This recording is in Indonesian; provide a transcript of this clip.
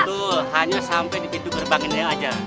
betul hanya sampe di pintu gerbangin nya aja